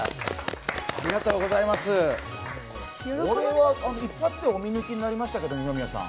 これは一発でお見抜きになりましたけど、二宮さん。